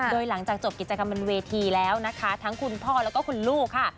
โดยหลังจากจบกิจกรรมบนเวทีแล้วนะคะทั้งคุณพ่อแล้วก็คุณลูกค่ะ